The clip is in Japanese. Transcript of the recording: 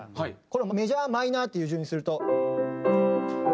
これをメジャーマイナーっていう順にすると。